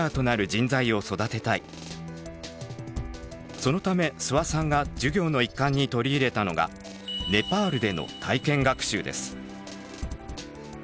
そのため諏訪さんが授業の一環に取り入れたのがネパールでの体験学習です。